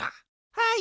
はい。